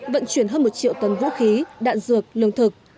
vận chuyển hơn một triệu tấn vũ khí đạn dược lương thực